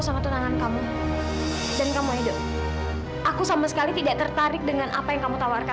sampai jumpa di video selanjutnya